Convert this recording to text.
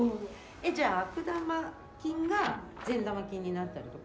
・えっじゃあ悪玉菌が善玉菌になったりとか？